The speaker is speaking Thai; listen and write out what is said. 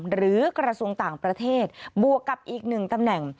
กระทรวงต่างประเทศบวกกับอีกหนึ่งตำแหน่ง